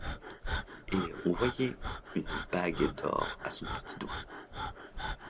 On voyait une bague d’or à son petit doigt.